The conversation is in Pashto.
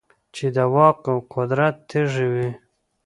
چـې د واک او قـدرت تـېږي وي .